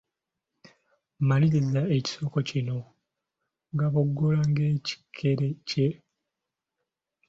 Maliriza ekisoko kino: Gaboggola ng'ekikere kye …….